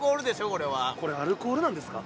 これアルコールなんですか？